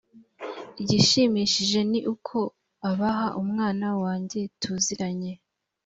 igishimishije ni uko abaha mwana wanjye tuziranye